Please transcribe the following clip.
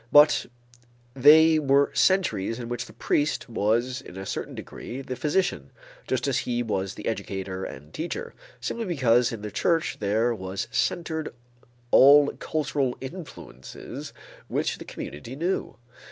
But they were centuries in which the priest was in a certain degree the physician, just as he was the educator and teacher, simply because in the church there was centered all cultural influences which the community knew.